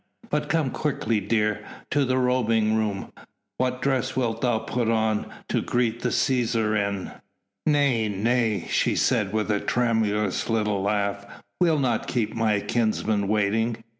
But come quickly, dear, to thy robing room; what dress wilt put on to greet the Cæsar in?" "Nay, nay," she said with a tremulous little laugh, "we'll not keep my kinsman waiting.